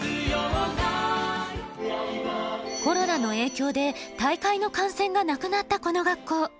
コロナの影響で大会の観戦がなくなった、この学校。